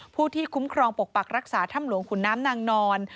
ผู้ที่คุ้มครองปกปักรักษาถ้ำหลวงขุนน้ำนางนอน